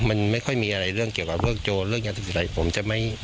มันไม่ค่อยมีอะไรเรื่องเกี่ยวกับพวกโจรเรื่องยาเสพติดอะไรผมจะไม่